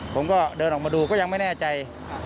ผมก็เดินออกมาดูก็ยังไม่แน่ใจ